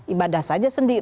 ibadah saja sendiri